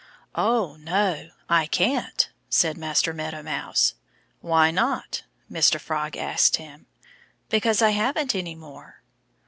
"Oh, no I can't," said Master Meadow Mouse. "Why not?" Mr. Frog asked him. "Because I haven't any more!"